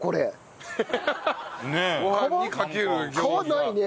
皮ないね。